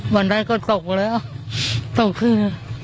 วันใดก็ตกแล้วตกขึ้น